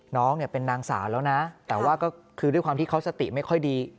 น้องเนี่ยเป็นนางสาวแล้วนะแต่ว่าก็คือด้วยความที่เขาสติไม่ค่อยดี